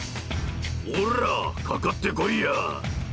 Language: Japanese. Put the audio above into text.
おら、かかってこいや。